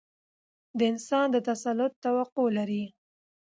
د انسان د تسلط توقع لري.